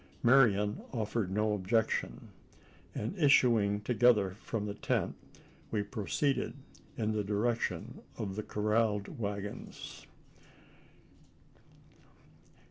Marian offered no objection; and, issuing together from the tent, we proceeded in the direction of the corralled waggons.